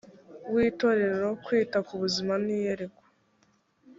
w itorero kwita k ubuzima n iyerekwa